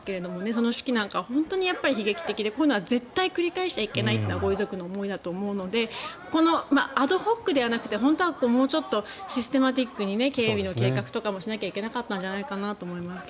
その手記なんかは悲劇的でこういうのは絶対繰り返しちゃいけないというのはご遺族の思いだと思うのでこのアドホックではなくてもうちょっとシステマチックに警備の計画とかもしなきゃいけなかったんじゃないかなと思いますが。